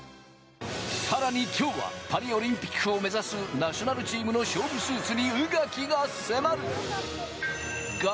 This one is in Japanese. さらに今日はパリオリンピックを目指すナショナルチームの勝負スーツに宇垣が迫る！